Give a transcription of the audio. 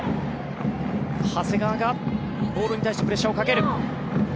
長谷川がボールに対してプレッシャーをかける。